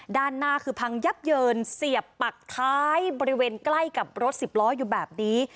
ด้านหน้าคือพังยับเยินเสียบปักท้ายบริเวณใกล้กับรถสิบล้ออยู่แบบนี้